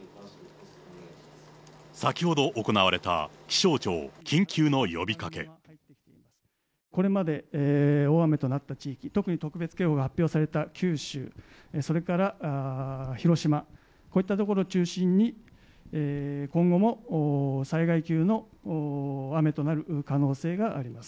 先ほど行われた気象庁、これまで、大雨となった地域、特に特別警報が発表された九州、それから広島、こういった所を中心に、今後も災害級の雨となる可能性があります。